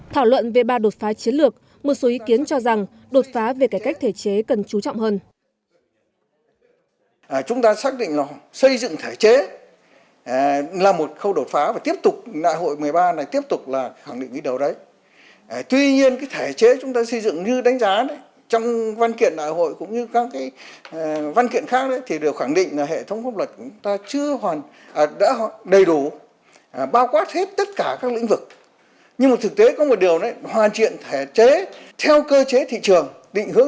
thảo luận về ba đột phá chiến lược một số ý kiến cho rằng đột phá về cải cách thể chế cần chú trọng hơn